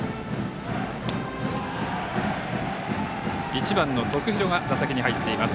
１番の徳弘が打席に入っています。